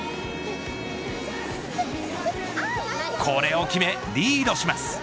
これを決めリードします。